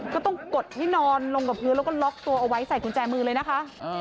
ก็ต้องกดให้นอนลงกับพื้นแล้วก็ล็อกตัวเอาไว้ใส่กุญแจมือเลยนะคะ